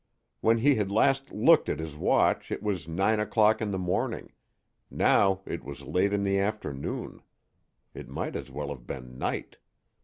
When he had last looked at his watch it was nine o'clock in the morning; now it was late in the afternoon. It might as well have been night.